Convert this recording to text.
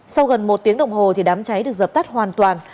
sau gần một tiếng đồng hồ đám cháy được dập tắt hoàn toàn